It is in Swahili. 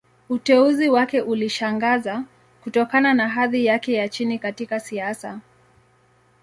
Uteuzi wake ulishangaza, kutokana na hadhi yake ya chini katika siasa.